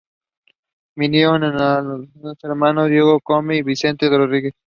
Vinieron aún los hermanos Diogo Jácome y Vicente Rodrigues.